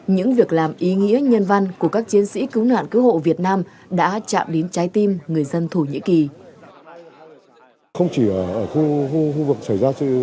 những việc làm ý nghĩa nhân văn của các chiến sĩ cứu nạn cứu hộ việt nam đã chạm đến trái tim người dân thổ nhĩ kỳ